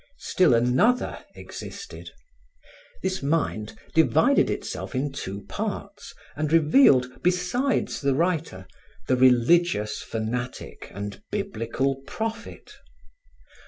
Still another existed. This mind divided itself in two parts and revealed, besides the writer, the religious fanatic and Biblical prophet.